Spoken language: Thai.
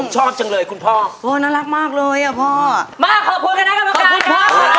ขอบคุณก็ดีกว่า